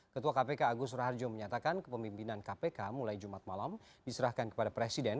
ketua kpk agus raharjo menyatakan kepemimpinan kpk mulai jumat malam diserahkan kepada presiden